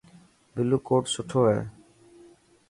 بلو ڪوٽ سٺو هي.